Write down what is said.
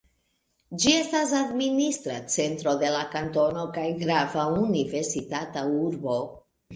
Ĝi estas administra centro de la kantono kaj grava universitata urbo.